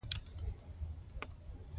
خو د کورنۍ په خوښه مې ادامه ورکړه .